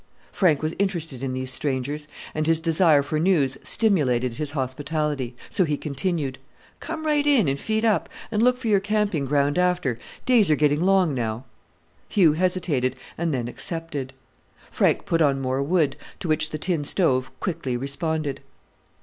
Frank was interested in these strangers, and his desire for news stimulated his hospitality; so he continued, "Come right in and feed up, and look for your camping ground after. Days are getting long now." Hugh hesitated, and then accepted. Frank put on more wood, to which the tin stove quickly responded.